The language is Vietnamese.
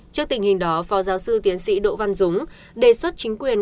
trước tình hình đó phó giáo sư tiến sĩ đỗ văn dũng đề xuất chính quyền